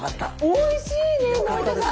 おいしいね森田さん！